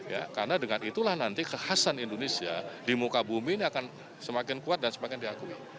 ya karena dengan itulah nanti kekhasan indonesia di muka bumi ini akan semakin kuat dan semakin diakui